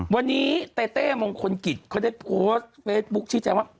วันนี้เต้เต้มงคลกิจเขาได้โพสต์เฟซบุ๊คชี้แจงว่า